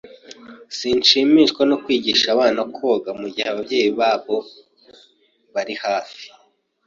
Sinshimishwa no kwigisha abana koga mugihe ababyeyi babo bari hafi.